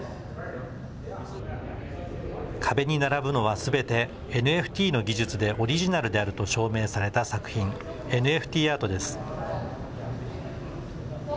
壁に並ぶのはすべてＮＦＴの技術でオリジナルであると証明された作品、ＮＦＴアートです。